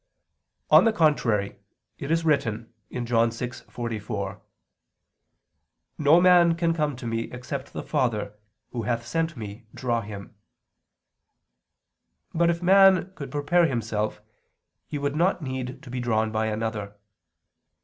On the contrary, It is written (John 6:44): "No man can come to Me except the Father, Who hath sent Me, draw him." But if man could prepare himself, he would not need to be drawn by another.